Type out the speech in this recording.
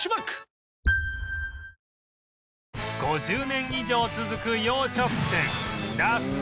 ５０年以上続く洋食店